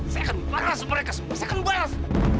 saya akan membalas mereka semua saya akan membalas